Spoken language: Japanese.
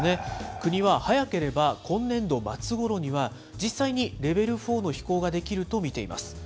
国は早ければ今年度末ごろには、実際にレベル４の飛行ができると見ています。